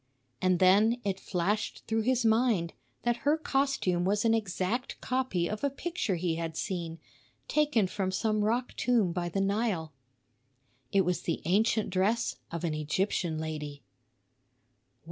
And then it flashed through his mind that her costume was an exact copy of a picture he had seen, taken from some rock tomb by the Nile. It was the ancient dress of an Egyptian lady.